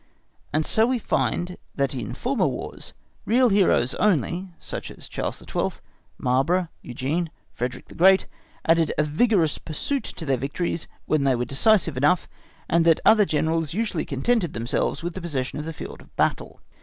And so we find that in former Wars real heroes only—such as Charles XII., Marlborough, Eugene, Frederick the Great—added a vigorous pursuit to their victories when they were decisive enough, and that other Generals usually contented themselves with the possession of the field of battle.